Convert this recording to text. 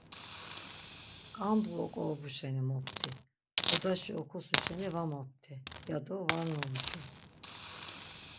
Ǩandğu oǩorobu şeni mopti, odaşi okosu şeni var mopti! ' ya do var nuucu.